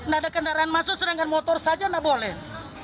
gak ada kendaraan masuk dengan motor saja gak boleh